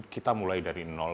kita mulai dari nol